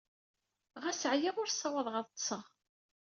Ɣas ɛyiɣ, ur ssawḍeɣ ad ḍḍseɣ.